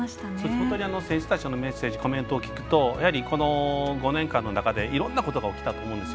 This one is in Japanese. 本当に選手たちのコメントを聞くとこの５年間の中でいろんなことが起きたと思うんですよ。